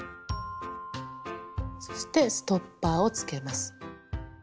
そしてストッパーをつけます。